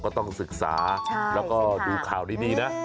ก็ต้องศึกษาแล้วก็ดูข่าวดีนะ